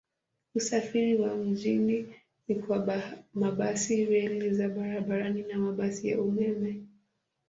Usafiri wa mjini ni kwa mabasi, reli za barabarani na mabasi ya umeme.